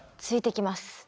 ついていきます。